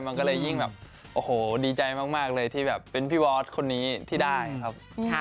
มันก็เลยยิ่งแบบโอ้โหดีใจมากเลยที่แบบเป็นพี่บอสคนนี้ที่ได้ครับ